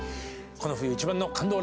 この冬一番の感動